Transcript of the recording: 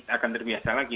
akan terbiasa lagi